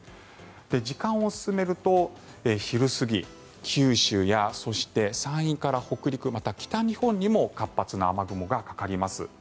時間を進めると昼過ぎ九州や、そして山陰から北陸また北日本にも活発な雨雲がかかります。